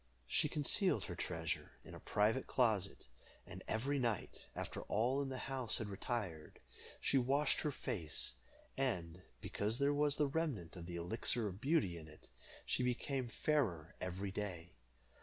She concealed her treasure in her private closet, and every night, after all in the house had retired, she washed her face, and, because there was the remnant of the Elixir of Beauty in it, she became fairer every day.